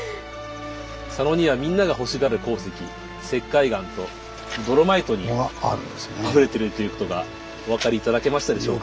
佐野にはみんながほしがる鉱石石灰岩とドロマイトにあふれてるということがお分かり頂けましたでしょうか？